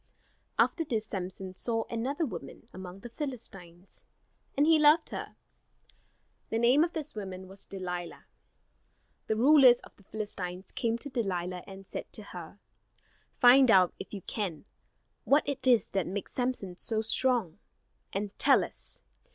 After this Samson saw another woman among the Philistines, and he loved her. The name of this woman was Delilah. The rulers of the Philistines came to Delilah and said to her: "Find out, if you can, what it is that makes Samson so strong, and tell us.